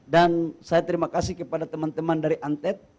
dan saya terima kasih kepada teman teman dari antet